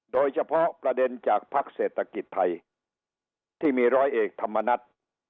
โดยเฉพาะประเด็นจากภักดิ์เศรษฐกิจไทยที่มีร้อยเอกธรรมนัฐ